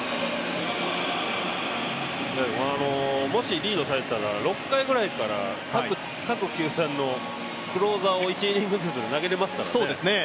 もしリードされてたら６回ぐらいから、各球団のクローザーが１イニングずつ投げていますからね。